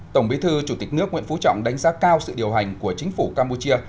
tổng bí thư chủ tịch nước nguyễn phú trọng đánh giá cao sự điều hành của chính phủ campuchia